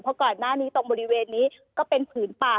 เพราะก่อนหน้านี้ตรงบริเวณนี้ก็เป็นผืนป่า